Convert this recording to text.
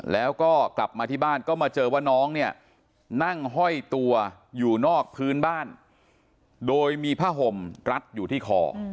แล้วก็กลับมาที่บ้านก็มาเจอว่าน้องเนี่ยนั่งห้อยตัวอยู่นอกพื้นบ้านโดยมีผ้าห่มรัดอยู่ที่คอ